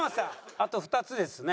あと２つですね。